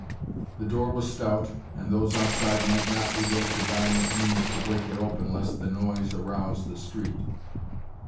The door was stout, and those outside might not resort to violent means to break it open lest the noise arouse the street.